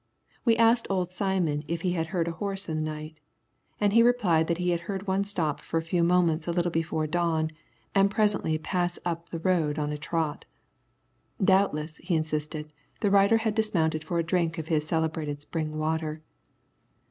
We asked old Simon if he had heard a horse in the night, and he replied that he had heard one stop for a few moments a little before dawn and presently pass on up the road in a trot. Doubtless, he insisted, the rider had dismounted for a drink of his celebrated spring water.